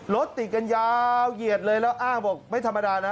รถติดกันยาวเหยียดเลยแล้วอ้างบอกไม่ธรรมดานะ